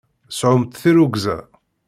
Sɛumt tirrugza!